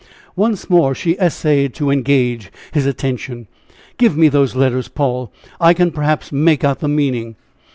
Once more she essayed to engage his attention. "Give me those letters, Paul I can perhaps make out the meaning."